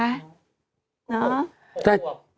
น้อแต่๖ปวบ